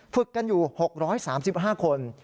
ฝึกกันอยู่๖๓๕คน